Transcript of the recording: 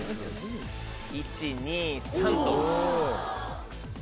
１・２・３と！